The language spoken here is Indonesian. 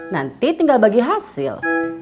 nanti tinggal bagi hasil